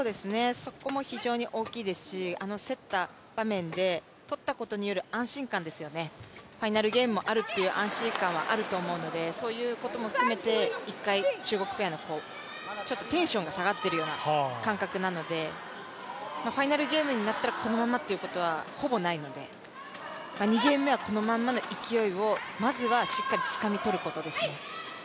そこも非常に大きいですし、競った場面で取ったことによる安心感ですよね、ファイナルゲームもあるという安心感はあると思うので、そういうことも含めて、一回、中国ペアのちょっとテンションが下がっているような感覚なのでファイナルゲームになったらこのままということはほぼないので、２ゲーム目はこのままの勢いは、まずはしっかりつかみ取ることですね。